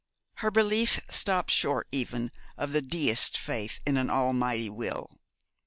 Her belief stopped short even of the Deist's faith in an Almighty Will.